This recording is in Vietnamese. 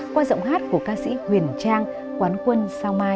qua giọng hát của ca sĩ huyền trang quán quân sao mai